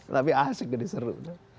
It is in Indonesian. tapi asik jadi seru